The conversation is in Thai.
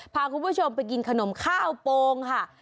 พาคุณผู้ชมไปกินขนมข้าวโปรงค่ะ